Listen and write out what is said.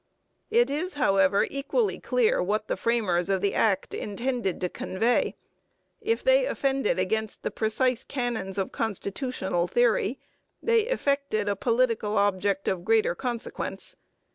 It is, however, equally clear what the framers of the Act intended to convey. If they offended against the precise canons of constitutional theory, they effected a political object of greater consequence.